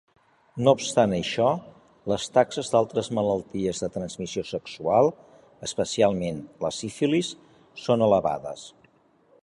No obstant això, les taxes d'altres malalties de transmissió sexual, especialment la sífilis, són elevades.